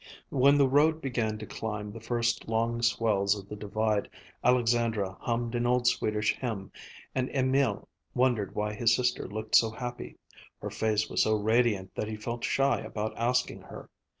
When the road began to climb the first long swells of the Divide, Alexandra hummed an old Swedish hymn, and Emil wondered why his sister looked so happy. Her face was so radiant that he felt shy about asking her.